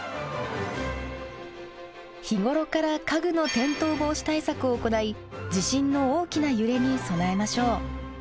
日頃から家具の転倒防止対策を行い地震の大きな揺れに備えましょう。